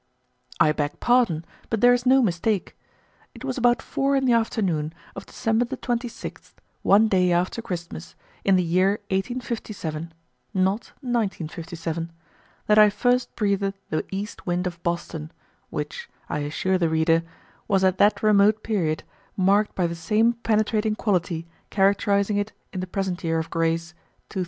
I beg pardon, but there is no mistake. It was about four in the afternoon of December the 26th, one day after Christmas, in the year 1857, not 1957, that I first breathed the east wind of Boston, which, I assure the reader, was at that remote period marked by the same penetrating quality characterizing it in the present year of grace, 2000.